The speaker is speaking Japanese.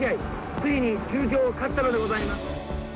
ついに中京勝ったのでございます。